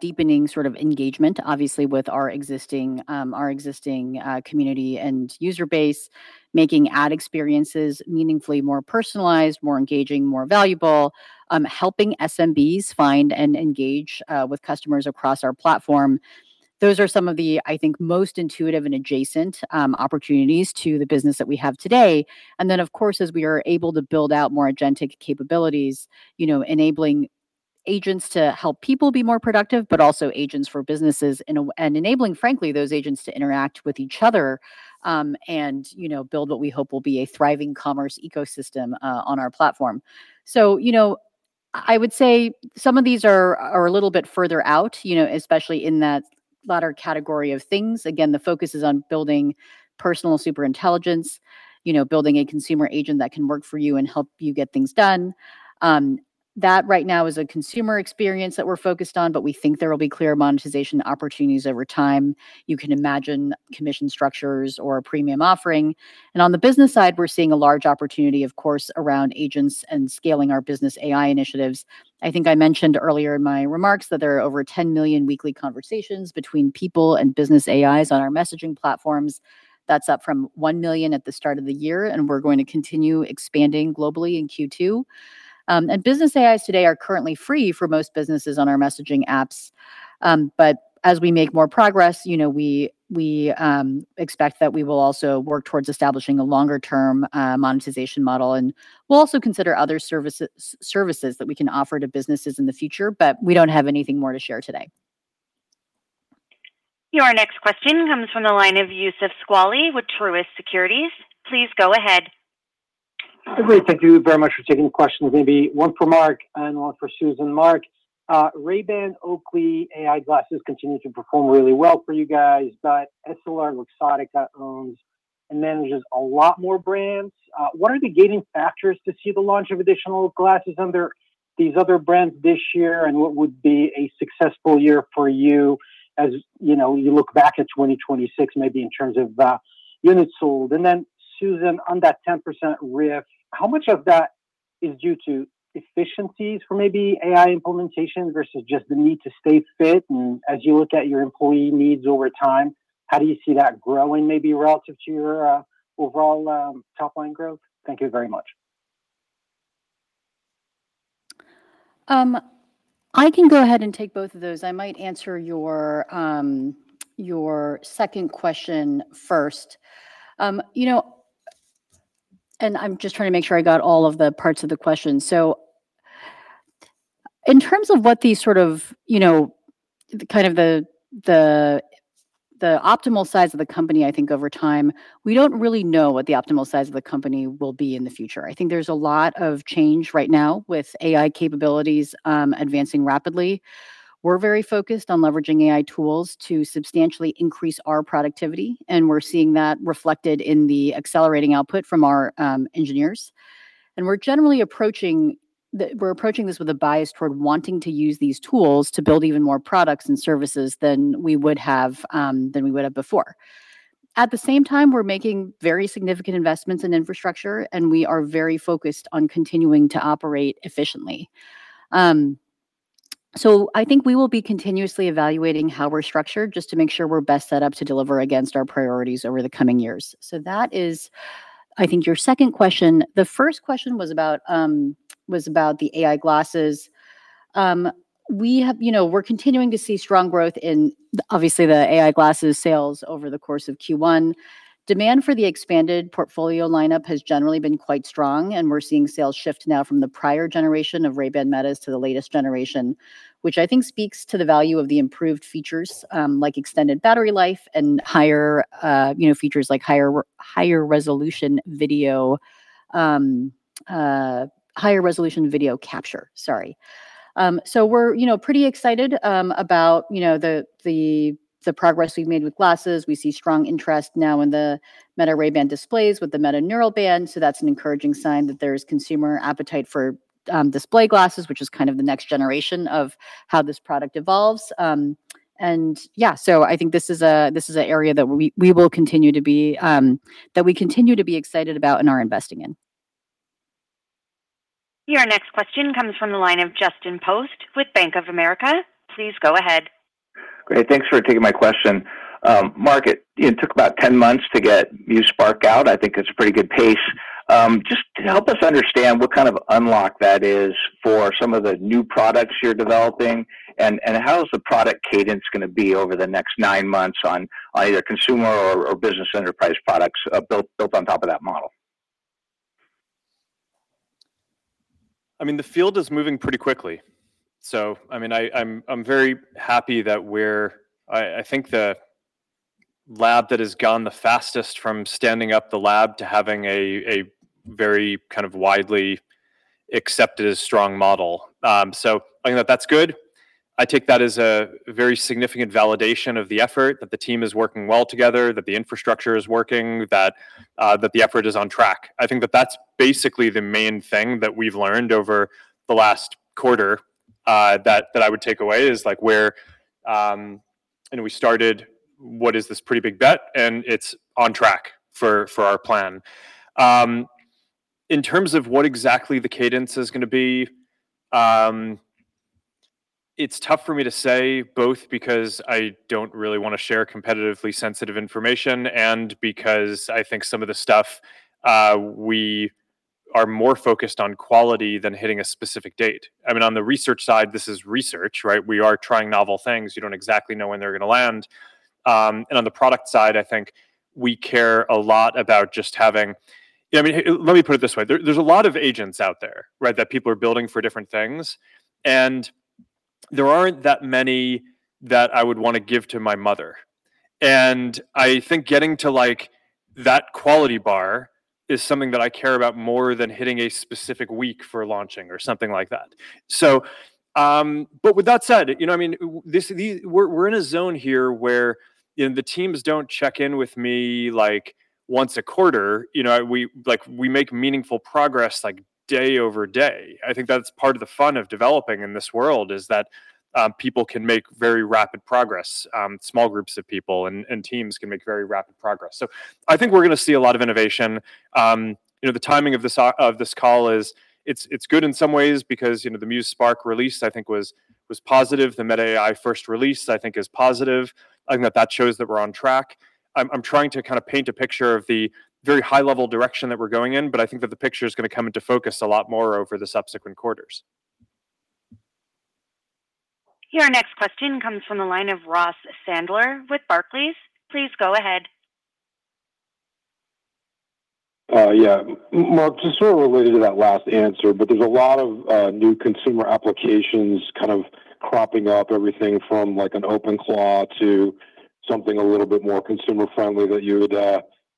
deepening engagement, obviously, with our existing, our existing community and user base, making ad experiences meaningfully more personalized, more engaging, more valuable, helping SMBs find and engage with customers across our platform. Those are some of the, I think, most intuitive and adjacent opportunities to the business that we have today. Of course, as we are able to build out more agentic capabilities, you know, enabling agents to help people be more productive, but also agents for businesses and enabling, frankly, those agents to interact with each other, and, you know, build what we hope will be a thriving commerce ecosystem on our platform. You know, I would say some of these are a little bit further out, you know, especially in that latter category of things. Again, the focus is on building personal super intelligence. You know, building a consumer agent that can work for you and help you get things done. That right now is a consumer experience that we're focused on, but we think there will be clear monetization opportunities over time. You can imagine commission structures or a premium offering. On the business side, we're seeing a large opportunity, of course, around agents and scaling our business AI initiatives. I think I mentioned earlier in my remarks that there are over 10 million weekly conversations between people and business AIs on our messaging platforms. That's up from 1 million at the start of the year, and we're going to continue expanding globally in Q2. Business AIs today are currently free for most businesses on our messaging apps. As we make more progress, you know, we expect that we will also work towards establishing a longer-term monetization model. We'll also consider other services that we can offer to businesses in the future, but we don't have anything more to share today. Your next question comes from the line of Youssef Squali with Truist Securities. Please go ahead. Great. Thank you very much for taking the question. Maybe one for Mark and one for Susan. Mark, Ray-Ban Oakley AI glasses continue to perform really well for you guys, but EssilorLuxottica owns and manages a lot more brands. What are the gating factors to see the launch of additional glasses under these other brands this year, and what would be a successful year for you as, you know, you look back at 2026, maybe in terms of units sold? Susan, on that 10% RIF, how much of that is due to efficiencies for maybe AI implementation versus just the need to stay fit? As you look at your employee needs over time, how do you see that growing maybe relative to your overall top-line growth? Thank you very much. I can go ahead and take both of those. I might answer your second question first. You know, I'm just trying to make sure I got all of the parts of the question. In terms of what these sort of, you know, kind of the optimal size of the company, I think over time, we don't really know what the optimal size of the company will be in the future. I think there's a lot of change right now with AI capabilities advancing rapidly. We're very focused on leveraging AI tools to substantially increase our productivity, and we're seeing that reflected in the accelerating output from our engineers. We're generally approaching this with a bias toward wanting to use these tools to build even more products and services than we would have than we would have before. At the same time, we're making very significant investments in infrastructure, and we are very focused on continuing to operate efficiently. I think we will be continuously evaluating how we're structured just to make sure we're best set up to deliver against our priorities over the coming years. That is, I think, your second question. The first question was about was about the AI glasses. We have, you know, we're continuing to see strong growth in obviously the AI glasses sales over the course of Q1. Demand for the expanded portfolio lineup has generally been quite strong. We're seeing sales shift now from the prior generation of Ray-Ban Meta to the latest generation, which I think speaks to the value of the improved features, like extended battery life and higher features like higher resolution video, higher resolution video capture. Sorry. We're pretty excited about the progress we've made with glasses. We see strong interest now in the Ray-Ban Meta displays with the Meta Neural Band. That's an encouraging sign that there's consumer appetite for display glasses, which is kind of the next generation of how this product evolves. I think this is an area that we continue to be excited about and are investing in. Your next question comes from the line of Justin Post with Bank of America. Please go ahead. Great. Thanks for taking my question. Mark, it took about 10 months to get Muse Spark out. I think it's a pretty good pace. Just help us understand what kind of unlock that is for some of the new products you're developing, and how is the product cadence gonna be over the next nine months on either consumer or business enterprise products built on top of that model. I mean, the field is moving pretty quickly. I mean, I'm very happy that I think the lab that has gone the fastest from standing up the lab to having a very kind of widely accepted strong model. I think that that's good. I take that as a very significant validation of the effort, that the team is working well together, that the infrastructure is working, that the effort is on track. I think that that's basically the main thing that we've learned over the last quarter, that I would take away is, like, where, you know, we started what is this pretty big bet, and it's on track for our plan. In terms of what exactly the cadence is gonna be, it's tough for me to say both because I don't really wanna share competitively sensitive information and because I think some of the stuff, we are more focused on quality than hitting a specific date. I mean, on the research side, this is research, right? We are trying novel things. You don't exactly know when they're gonna land. I mean, let me put it this way. There's a lot of agents out there, right? That people are building for different things. There aren't that many that I would want to give to my mother. I think getting to like that quality bar is something that I care about more than hitting a specific week for launching or something like that. With that said, you know what I mean, we're in a zone here where, you know, the teams don't check in with me like once a quarter. You know, like, we make meaningful progress like day over day. I think that's part of the fun of developing in this world is that people can make very rapid progress. Small groups of people and teams can make very rapid progress. I think we're gonna see a lot of innovation. You know, the timing of this of this call is good in some ways because, you know, the Muse Spark release, I think was positive. The Meta AI first release, I think is positive. I think that shows that we're on track. I'm trying to kind of paint a picture of the very high-level direction that we're going in, but I think that the picture is gonna come into focus a lot more over the subsequent quarters. Your next question comes from the line of Ross Sandler with Barclays. Please go ahead. Yeah. Mark, just sort of related to that last answer, but there's a lot of new consumer applications kind of cropping up everything from like an OpenClaw to something a little bit more consumer-friendly that you would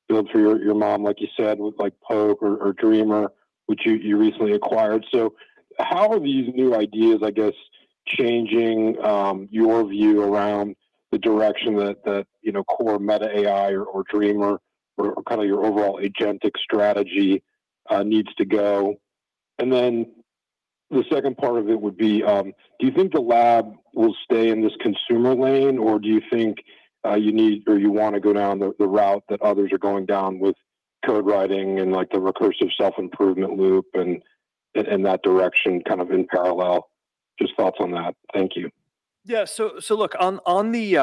build for your mom, like you said, with like Poke or Dreamer, which you recently acquired. How are these new ideas, I guess, changing your view around the direction that, you know, core Meta AI or Dreamer or kinda your overall agentic strategy needs to go? Then the second part of it would be, do you think the lab will stay in this consumer lane, or do you think you need or you wanna go down the route that others are going down with code writing and like the recursive self-improvement loop and that direction kind of in parallel? Just thoughts on that. Thank you. Yeah. Look, on the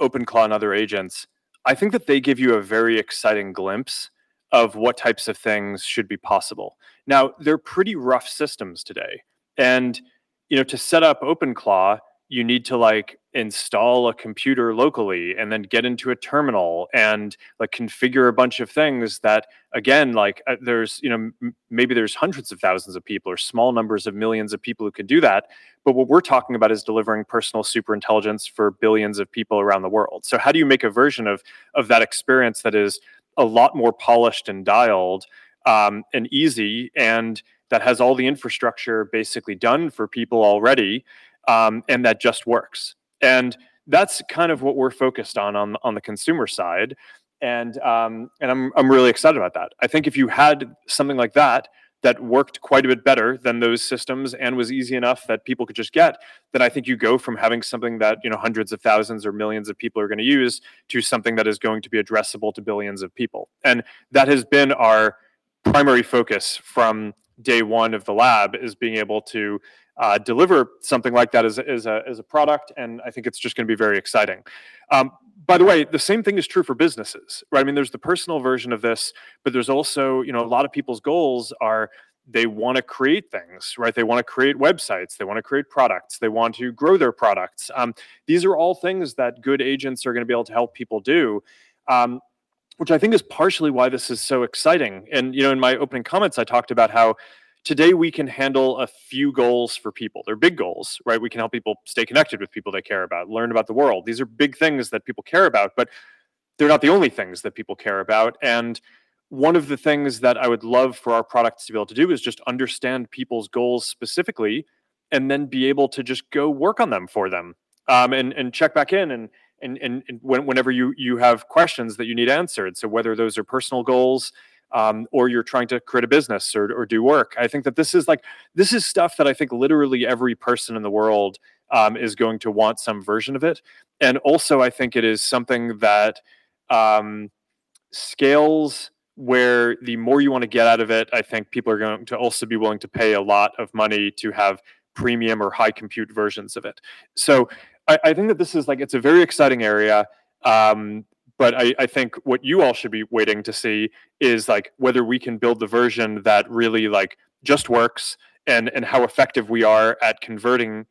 OpenClaw and other agents, I think that they give you a very exciting glimpse of what types of things should be possible. They're pretty rough systems today, and, you know, to set up OpenClaw, you need to like install a computer locally and then get into a terminal and like configure a bunch of things that again, like, there's, you know, maybe there's hundreds of thousands of people or small numbers of millions of people who could do that, but what we're talking about is delivering personal super intelligence for billions of people around the world. How do you make a version of that experience that is a lot more polished and dialed, and easy, and that has all the infrastructure basically done for people already, and that just works? That's kind of what we're focused on the consumer side, and I'm really excited about that. I think if you had something like that that worked quite a bit better than those systems and was easy enough that people could just get, then I think you go from having something that, you know, hundreds of thousands or millions of people are gonna use to something that is going to be addressable to billions of people. That has been our primary focus from day one of the lab is being able to deliver something like that as a product, and I think it's just gonna be very exciting. By the way, the same thing is true for businesses, right? I mean, there's the personal version of this, but there's also, you know, a lot of people's goals are they wanna create things, right? They wanna create websites. They wanna create products. They want to grow their products. These are all things that good agents are gonna be able to help people do, which I think is partially why this is so exciting. You know, in my opening comments, I talked about how today we can handle a few goals for people. They're big goals, right? We can help people stay connected with people they care about, learn about the world. These are big things that people care about, but they're not the only things that people care about. One of the things that I would love for our products to be able to do is just understand people's goals specifically and then be able to just go work on them for them, and check back in whenever you have questions that you need answered. Whether those are personal goals, or you're trying to create a business or do work. I think that this is stuff that I think literally every person in the world is going to want some version of it. Also, I think it is something that scales where the more you wanna get out of it, I think people are going to also be willing to pay a lot of money to have premium or high Compute versions of it. I think that this is like it's a very exciting area, but I think what you all should be waiting to see is like whether we can build the version that really like just works and how effective we are at converting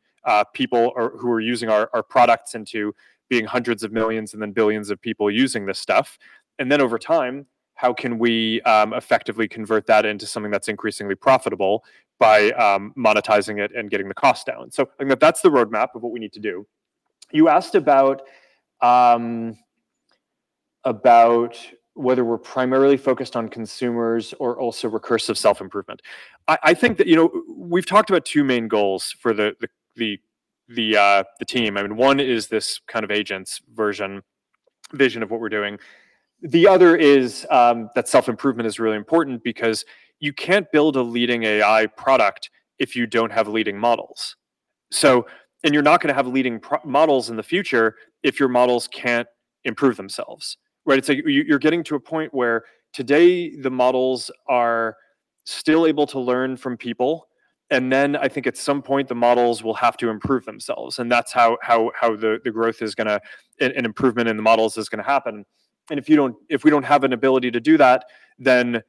people who are using our products into being hundreds of millions and then billions of people using this stuff. Over time, how can we effectively convert that into something that's increasingly profitable by monetizing it and getting the cost down? I think that that's the roadmap of what we need to do. You asked about whether we're primarily focused on consumers or also recursive self-improvement. I think that, you know, we've talked about two main goals for the team. I mean, one is this kind of agents vision of what we're doing. The other is that self-improvement is really important because you can't build a leading AI product if you don't have leading models. You're not gonna have leading models in the future if your models can't improve themselves, right? You're getting to a point where today the models are still able to learn from people, and then I think at some point the models will have to improve themselves, and that's how the growth is gonna happen and an improvement in the models is gonna happen. If we don't have an ability to do that, then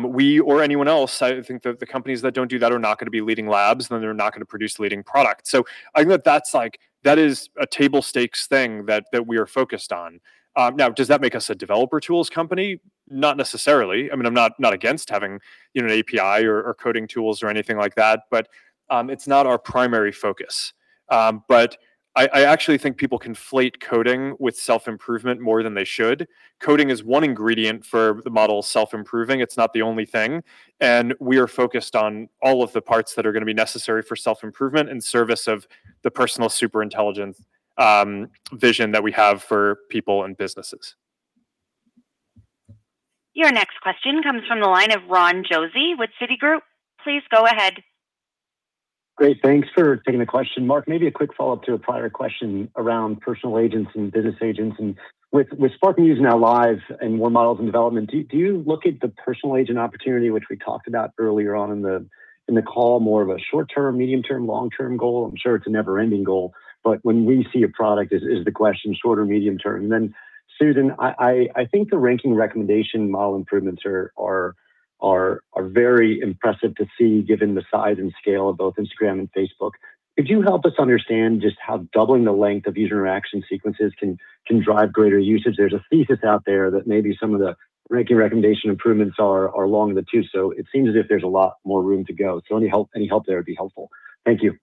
we or anyone else, I think that the companies that don't do that are not gonna be leading labs, then they're not gonna produce leading products. I think that that's that is a table stakes thing that we are focused on. Does that make us a developer tools company? Not necessarily. I mean, I'm not against having, you know, an API or coding tools or anything like that, but it's not our primary focus. I actually think people conflate coding with self-improvement more than they should. Coding is one ingredient for the model self-improving. It's not the only thing, we are focused on all of the parts that are gonna be necessary for self-improvement in service of the personal super intelligence vision that we have for people and businesses. Your next question comes from the line of Ron Josey with Citigroup. Please go ahead. Great. Thanks for taking the question. Mark, maybe a quick follow-up to a prior question around personal agents and business agents. With Spark being used now live and more models in development, do you look at the personal agent opportunity, which we talked about earlier on in the call, more of a short-term, medium-term, long-term goal? I'm sure it's a never-ending goal, when we see a product, is the question short or medium term? Susan, I think the ranking recommendation model improvements are very impressive to see given the size and scale of both Instagram and Facebook. Could you help us understand just how doubling the length of user interaction sequences can drive greater usage? There's a thesis out there that maybe some of the ranking recommendation improvements are along the two. It seems as if there's a lot more room to go. Any help there would be helpful. Thank you.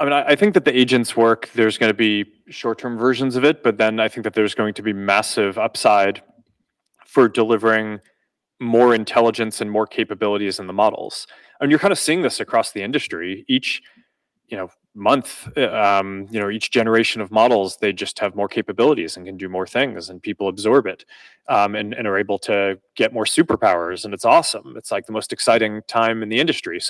I mean, I think that the agents work, there's gonna be short-term versions of it, I think that there's going to be massive upside for delivering more intelligence and more capabilities in the models. You're kind of seeing this across the industry. Each, you know, month, you know, each generation of models, they just have more capabilities and can do more things, and people absorb it, and are able to get more superpowers, it's awesome. It's like the most exciting time in the industry.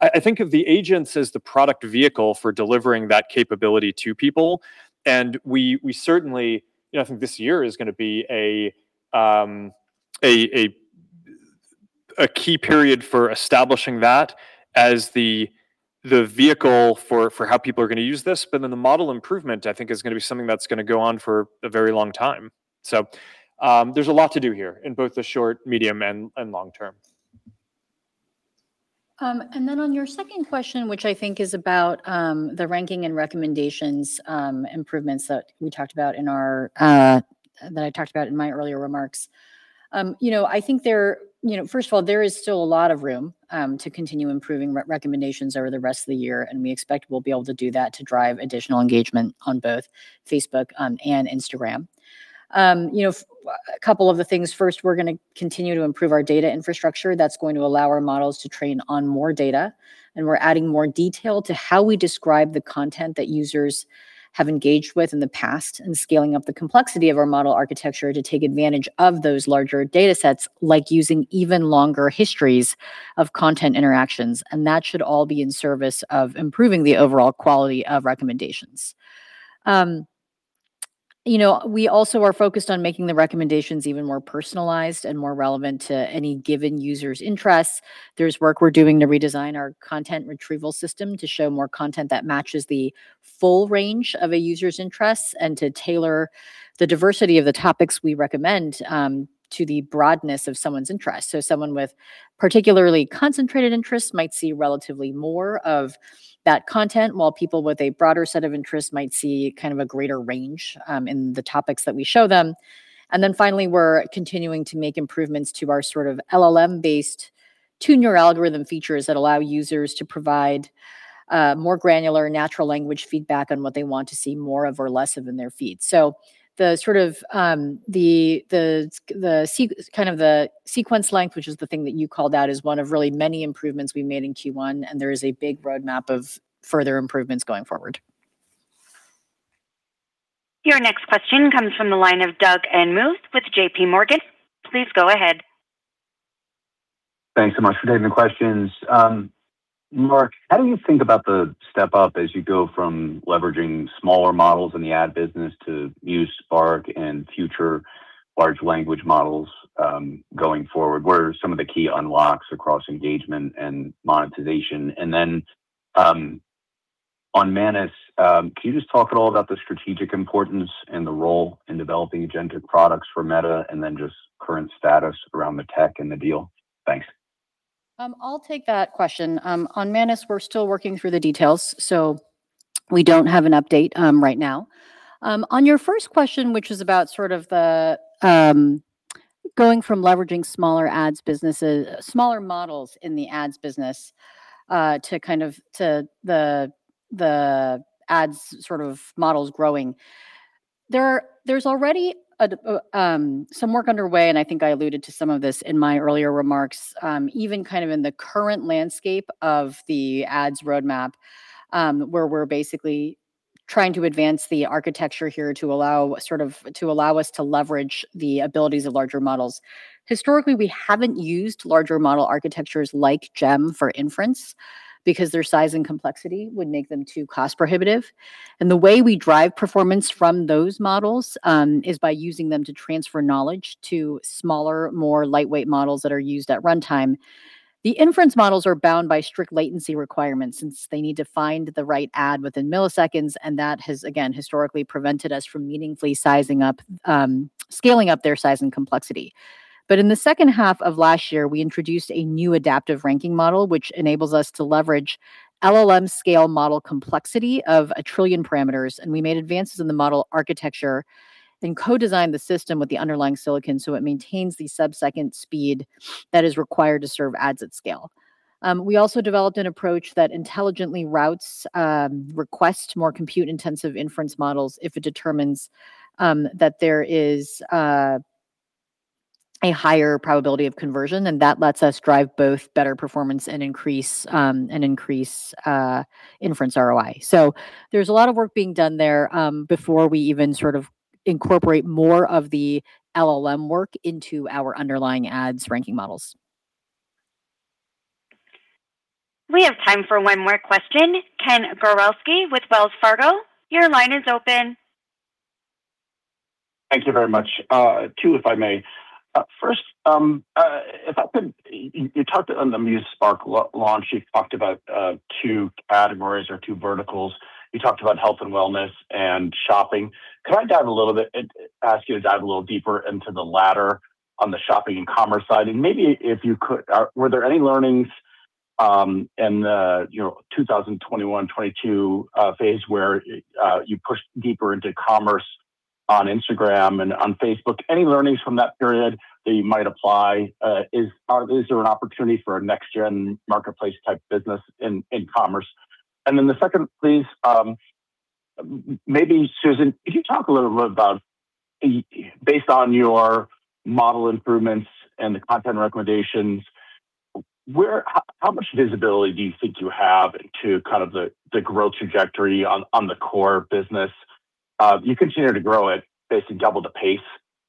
I think of the agents as the product vehicle for delivering that capability to people, and we certainly. You know, I think this year is gonna be a, a key period for establishing that as the vehicle for how people are gonna use this. The model improvement, I think is gonna be something that's gonna go on for a very long time. There's a lot to do here in both the short, medium, and long term. Then on your second question, which I think is about the ranking and recommendations improvements that we talked about that I talked about in my earlier remarks. You know, I think there, you know, first of all, there is still a lot of room to continue improving recommendations over the rest of the year, and we expect we'll be able to do that to drive additional engagement on both Facebook and Instagram. You know, a couple of the things. First, we're going to continue to improve our data infrastructure. That's going to allow our models to train on more data, and we're adding more detail to how we describe the content that users have engaged with in the past and scaling up the complexity of our model architecture to take advantage of those larger datasets, like using even longer histories of content interactions. That should all be in service of improving the overall quality of recommendations. You know, we also are focused on making the recommendations even more personalized and more relevant to any given user's interests. There's work we're doing to redesign our content retrieval system to show more content that matches the full range of a user's interests and to tailor the diversity of the topics we recommend to the broadness of someone's interests. Someone with particularly concentrated interests might see relatively more of that content, while people with a broader set of interests might see kind of a greater range in the topics that we show them. Finally, we're continuing to make improvements to our sort of LLM-based tune your algorithm features that allow users to provide more granular natural language feedback on what they want to see more of or less of in their feeds. The sort of kind of the sequence length, which is the thing that you called out, is one of really many improvements we made in Q1. There is a big roadmap of further improvements going forward. Your next question comes from the line of Doug Anmuth with JPMorgan. Please go ahead. Thanks so much for taking the questions. Mark, how do you think about the step up as you go from leveraging smaller models in the ad business to Muse Spark and future large language models going forward? What are some of the key unlocks across engagement and monetization? On Manus, can you just talk at all about the strategic importance and the role in developing agentic products for Meta and then just current status around the tech and the deal? Thanks. I'll take that question. On Manus, we're still working through the details, so we don't have an update right now. On your first question, which is about sort of the going from leveraging smaller models in the ads business, to the ads sort of models growing. There's already some work underway, and I think I alluded to some of this in my earlier remarks. Even kind of in the current landscape of the ads roadmap, where we're basically trying to advance the architecture here to allow us to leverage the abilities of larger models. Historically, we haven't used larger model architectures like GEM for inference because their size and complexity would make them too cost-prohibitive, and the way we drive performance from those models is by using them to transfer knowledge to smaller, more lightweight models that are used at runtime. The inference models are bound by strict latency requirements since they need to find the right ad within milliseconds, and that has, again, historically prevented us from meaningfully sizing up, scaling up their size and complexity. In the second half of last year, we introduced a new adaptive ranking model, which enables us to leverage LLM-scale model complexity of a trillion parameters, and we made advances in the model architecture and co-designed the system with the underlying silicon so it maintains the sub-second speed that is required to serve ads at scale. We also developed an approach that intelligently routes requests more Compute-intensive inference models if it determines that there is a higher probability of conversion, and that lets us drive both better performance and increase inference ROI. There's a lot of work being done there before we even sort of incorporate more of the LLM work into our underlying ads ranking models. We have time for one more question. Ken Gawrelski with Wells Fargo, your line is open. Thank you very much. Two, if I may. First, you talked on the Muse Spark launch, you talked about two categories or two verticals. You talked about health and wellness and shopping. Could I dive a little bit and ask you to dive a little deeper into the latter on the shopping and commerce side? Were there any learnings, you know, in the 2021-2022 phase where you pushed deeper into commerce on Instagram and on Facebook? Any learnings from that period that you might apply? Is there an opportunity for a next-gen marketplace-type business in commerce? The second, please, maybe Susan, could you talk a little bit about, based on your model improvements and the content recommendations, how much visibility do you think you have to kind of the growth trajectory on the core business? You continue to grow at basically double the pace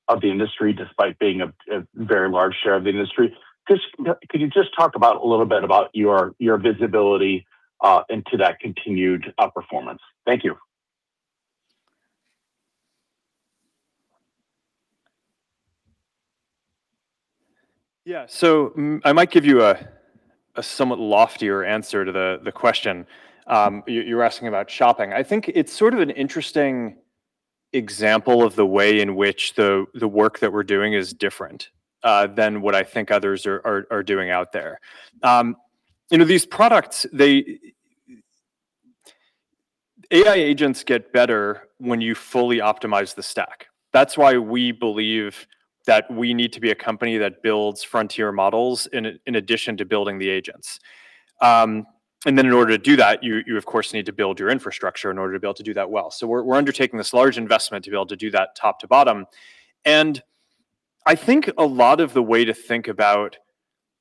of the industry despite being a very large share of the industry. Could you just talk a little bit about your visibility into that continued performance? Thank you. I might give you a somewhat loftier answer to the question. You're asking about shopping. I think it's sort of an interesting example of the way in which the work that we're doing is different than what I think others are doing out there. You know, these products, AI agents get better when you fully optimize the stack. That's why we believe that we need to be a company that builds frontier models in addition to building the agents. You of course, need to build your infrastructure in order to be able to do that well. We're undertaking this large investment to be able to do that top to bottom. I think a lot of the way to think about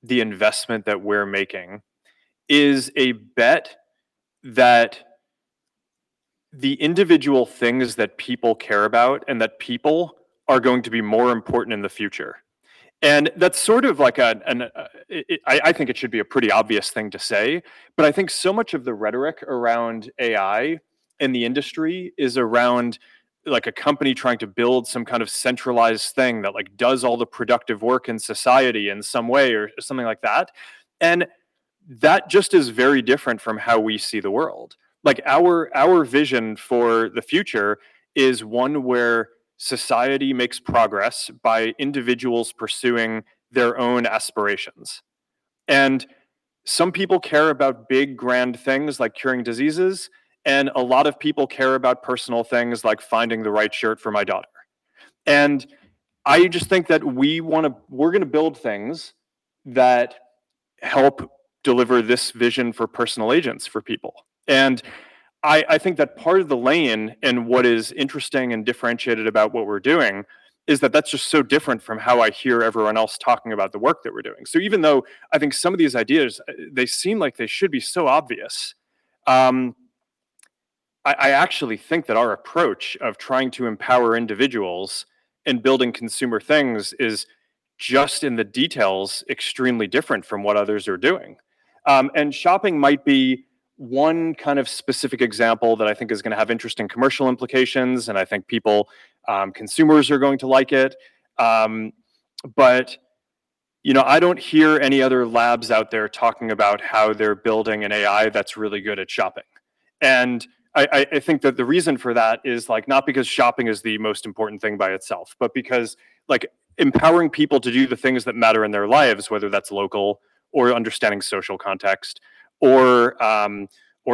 the investment that we're making is a bet that the individual things that people care about and that people are going to be more important in the future. That's sort of like I think it should be a pretty obvious thing to say, but I think so much of the rhetoric around AI in the industry is around, like, a company trying to build some kind of centralized thing that, like, does all the productive work in society in some way or something like that. That just is very different from how we see the world. Like, our vision for the future is one where society makes progress by individuals pursuing their own aspirations. Some people care about big, grand things like curing diseases, and a lot of people care about personal things like finding the right shirt for my daughter. I just think that we're gonna build things that help deliver this vision for personal agents for people. I think that part of the lane and what is interesting and differentiated about what we're doing is that that's just so different from how I hear everyone else talking about the work that we're doing. Even though I think some of these ideas, they seem like they should be so obvious, I actually think that our approach of trying to empower individuals and building consumer things is just in the details extremely different from what others are doing. Shopping might be one kind of specific example that I think is gonna have interesting commercial implications, and I think people, consumers are going to like it. You know, I don't hear any other labs out there talking about how they're building an AI that's really good at shopping. I think that the reason for that is not because shopping is the most important thing by itself, but because empowering people to do the things that matter in their lives, whether that's local or understanding social context or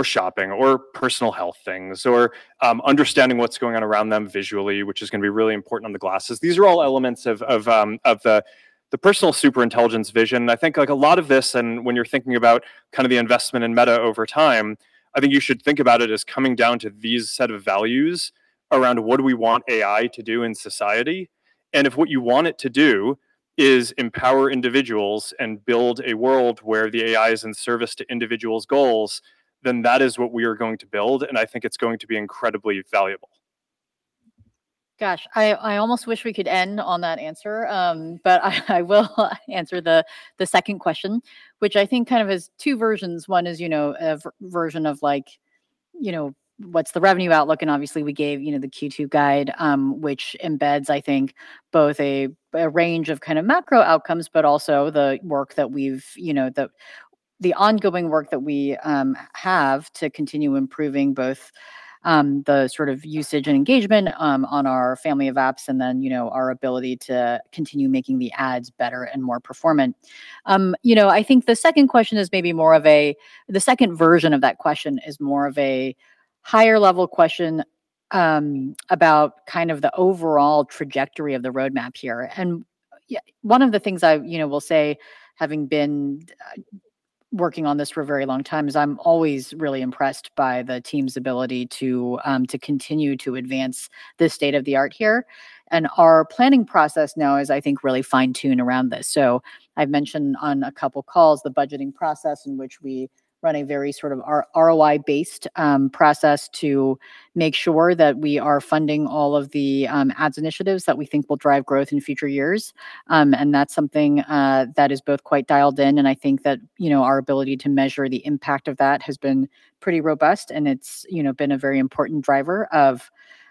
shopping or personal health things or understanding what's going on around them visually, which is gonna be really important on the glasses. These are all elements of the personal super intelligence vision. I think, like, a lot of this and when you're thinking about kind of the investment in Meta over time, I think you should think about it as coming down to these set of values. Around what do we want AI to do in society? If what you want it to do is empower individuals and build a world where the AI is in service to individuals' goals, then that is what we are going to build, and I think it's going to be incredibly valuable. Gosh, I almost wish we could end on that answer. I will answer the second question, which I think kind of is two versions. One is, you know, a version of like, you know, what's the revenue outlook? Obviously we gave, you know, the Q2 guide, which embeds I think both a range of kind of macro outcomes, but also, you know, the ongoing work that we have to continue improving both the sort of usage and engagement on our family of apps and then, you know, our ability to continue making the ads better and more performant. You know, I think the second question is maybe more of a, the second version of that question is more of a higher level question about kind of the overall trajectory of the roadmap here. You know, one of the things I, you know, will say having been working on this for a very long time, is I'm always really impressed by the team's ability to continue to advance the state-of-the-art here. Our planning process now is, I think, really fine-tuned around this. I've mentioned on a couple calls the budgeting process in which we run a very sort of ROI based process to make sure that we are funding all of the ads initiatives that we think will drive growth in future years. That's something that is both quite dialed in and I think that, you know, our ability to measure the impact of that has been pretty robust and it's, you know, been a very important driver of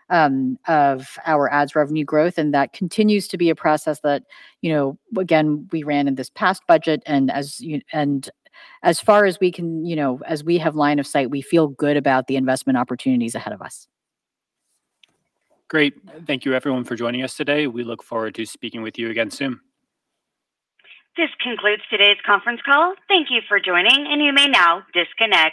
our ads revenue growth. That continues to be a process that, you know, again, we ran in this past budget and as far as we can, you know, as we have line of sight, we feel good about the investment opportunities ahead of us. Great. Thank you everyone for joining us today. We look forward to speaking with you again soon. This concludes today's conference call. Thank you for joining, and you may now disconnect.